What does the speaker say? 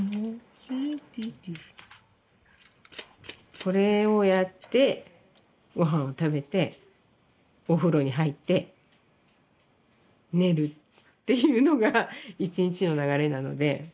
これをやってごはんを食べてお風呂に入って寝るっていうのが一日の流れなので。